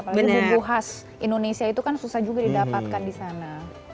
apalagi bumbu khas indonesia itu kan susah juga didapatkan di sana